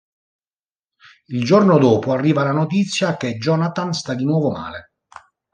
Il giorno dopo, arriva la notizia che Jonathan sta di nuovo male.